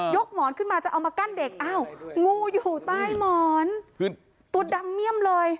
หมอนขึ้นมาจะเอามากั้นเด็กอ้าวงูอยู่ใต้หมอนตัวดำเมี่ยมเลย